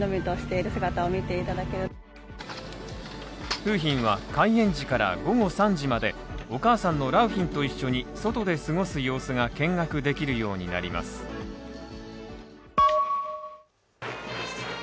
楓浜は開園時から午後３時までお母さんの良浜と一緒に外で過ごす様子が見学できるようになります。